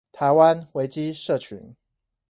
台灣維基社群